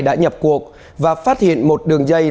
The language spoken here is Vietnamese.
đã nhập cuộc và phát hiện một đường dây